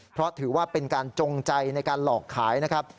เพราะถือว่าเป็นการจงใจในการหลอกขายนะครับ